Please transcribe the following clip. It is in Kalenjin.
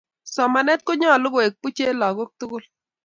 somanee ko nyoluu koek buch en laak tukul